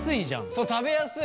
そう食べやすい。